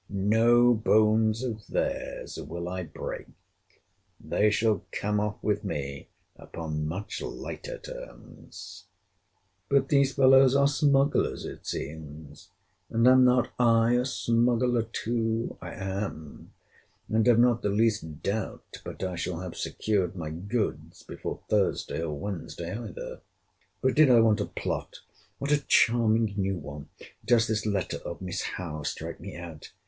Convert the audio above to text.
—No bones of their's will I break—They shall come off with me upon much lighter terms!— But these fellows are smugglers, it seems. And am not I a smuggler too?—I am—and have not the least doubt but I shall have secured my goods before Thursday, or Wednesday either. But did I want a plot, what a charming new one does this letter of Miss Howe strike me out!